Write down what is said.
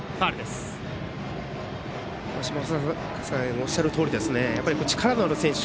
おっしゃるとおり力のある選手。